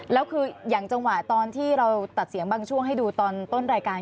แล้วคืออย่างจังหวะตอนที่เราตัดเสียงบางช่วงให้ดูตอนต้นรายการ